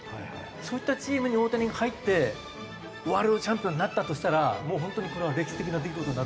そういったチームに大谷が入ってワールドチャンピオンになったとしたらもう本当にこれは歴史的な出来事になるし。